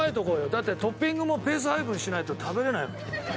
だってトッピングもペース配分しないと食べられないもん。